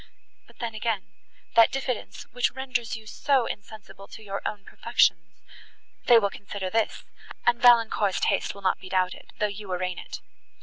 —But then again—that diffidence, which renders you so insensible to your own perfections—they will consider this, and Valancourt's taste will not be doubted, though you arraign it.